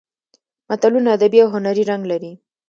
متلونه ادبي او هنري رنګ لري